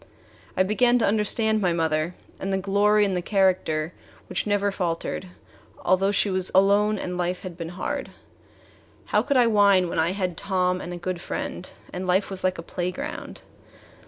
I began to understand my mother and the glory in the character which never faltered, although she was alone and life had been hard. How could I whine when I had Tom and a good friend and life was like a playground?